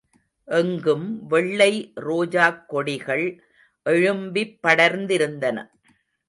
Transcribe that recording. எங்கும் வெள்ளை ரோஜாக் கொடிகள் எழும்பிப் படர்ந்திருந்தன.